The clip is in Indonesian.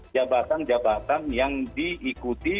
jabatan jabatan yang diikuti